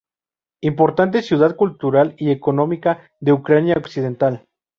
Importante ciudad cultural y económica de Ucrania occidental.